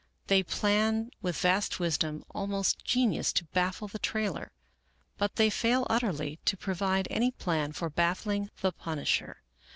They plan with vast wisdom, almost genius, to baffle the trailer. But they fail utterly to provide any plan for baffling the punisher.